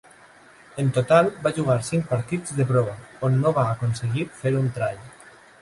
En total, va jugar cinc partits de prova, on no va aconseguir fer un try.